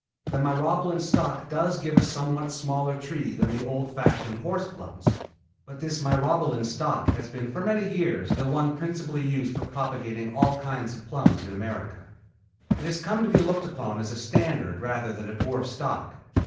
The Myrobalan stock does give a somewhat smaller tree than the old fashioned horse plums; but this Myrobalan stock has been for many years the one principally used for propagating all kinds of plums in America. It has come to be looked upon as a standard rather than a dwarf stock.